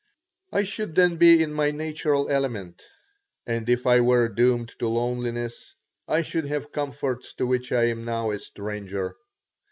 I should then be in my natural element, and if I were doomed to loneliness I should have comforts to which I am now a stranger.